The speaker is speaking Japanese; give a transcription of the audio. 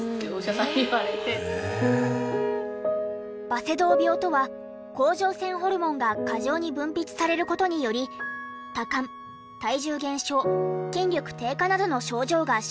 バセドウ病とは甲状腺ホルモンが過剰に分泌される事により多汗体重減少筋力低下などの症状が生じる病気。